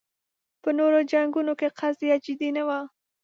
په نورو جنګونو کې قضیه جدي نه وه